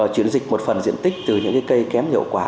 chuyển dịch một phần diện tích từ những cây kém hiệu quả